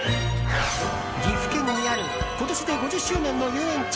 岐阜県にある今年で５０周年の遊園地